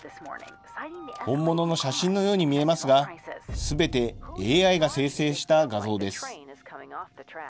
本物の写真のように見えますが、すべてＡＩが生成した画像です。